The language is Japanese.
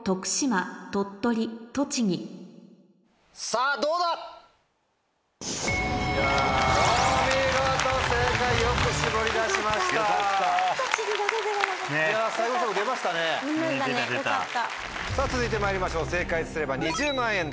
さぁ続いてまいりましょう正解すれば２０万円です。